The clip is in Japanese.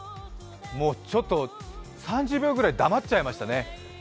ちょっと３０秒ぐらい黙っちゃいましたね。